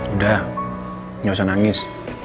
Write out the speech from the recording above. udah gak usah nangis